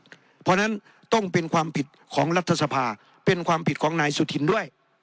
เพราะฉะนั้นต้องเป็นความผิดของรัฐสภาเป็นความผิดของนายสุธินด้วย